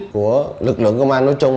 của lực lượng công an nói chung